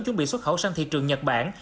chuẩn bị xuất khẩu sang thị trường nhật bản